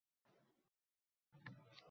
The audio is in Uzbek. Qolaversa, xotinining ham gapida jon bor